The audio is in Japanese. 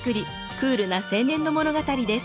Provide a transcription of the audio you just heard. クールな青年の物語です。